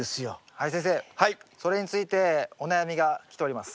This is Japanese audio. はい先生それについてお悩みが来ております。